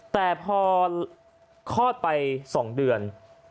แต่พอคลอดไป๒เดือน